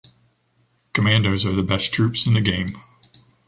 Commandos are the best troops in the game.